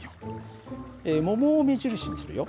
桃を目印にするよ。